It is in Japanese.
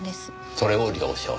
それを了承した。